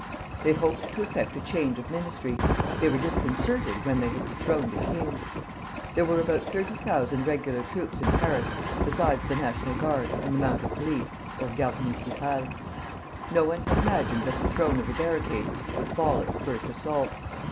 They hoped to effect a change of ministry: they were disconcerted when they had dethroned a king. There were about thirty thousand regular troops in Paris, besides the National Guard and the mounted police, or Garde Municipale. No one had imagined that the Throne of the Barricades would fall at the first assault.